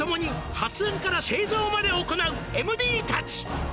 「発案から製造まで行うＭＤたち！」